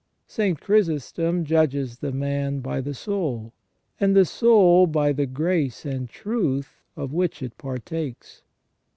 St. Chrysostom judges the man by the soul, and the soul by the grace and truth of which it partakes.